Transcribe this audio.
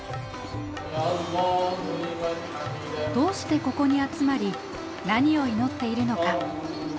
どうしてここに集まり何を祈っているのか。